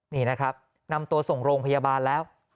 นี่นะครับนำตัวส่งโรงพยาบาลแล้ว